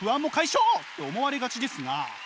って思われがちですが。